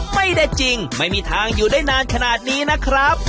ไม่ได้จริงไม่มีทางอยู่ได้นานขนาดนี้นะครับ